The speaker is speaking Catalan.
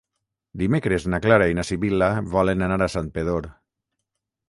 Dimecres na Clara i na Sibil·la volen anar a Santpedor.